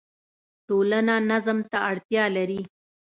ټولنه نظم ته اړتیا لري.